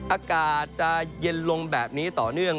อากาศจะเย็นลงแบบนี้ต่อเนื่อง